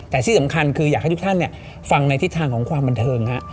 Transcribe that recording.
แต่ที่สำคัญคืออยากให้ทุกท่านฟังในทิศทางของความบันเทิง